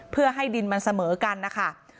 เพื่อให้ดินมันเสมอกันนะคะ